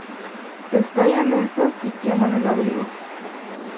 Estallan estos y queman el abrigo.